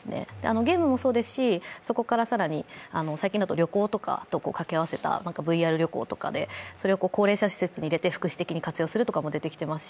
ゲームもそうですし、そこから更に最近だと、旅行と掛け合わせたＶＲ旅行とかで高齢者施設に入れて福祉的に活用するとか出てきていますし。